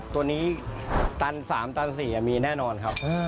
ตัวนี้ตัน๓ตัน๔มีแน่นอนครับ